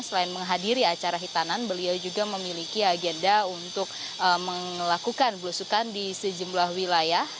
selain menghadiri acara hitanan beliau juga memiliki agenda untuk melakukan belusukan di sejumlah wilayah